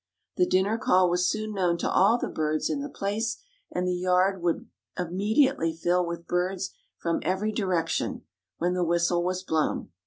The dinner call was soon known to all the birds in the place, and the yard would immediately fill with birds from every direction when the whistle was blown.